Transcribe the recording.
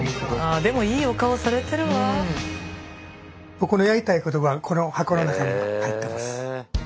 僕のやりたいことはこの箱の中に入ってます。